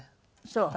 そう？